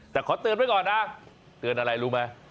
แต่ขอเตือนไว้ก่อนนะเตือนอะไรรู้ไหม